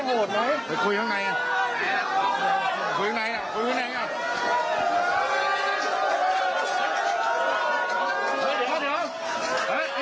คุยข้างใน